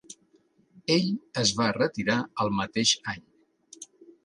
Ell es va retirar el mateix any.